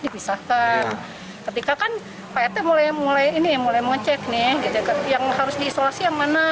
dipisahkan ketika kan pt mulai mulai ini mulai mengecek nih yang harus diisolasi yang mana